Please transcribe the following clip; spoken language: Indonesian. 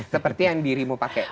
seperti yang dirimu pakai